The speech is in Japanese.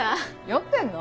酔ってんの？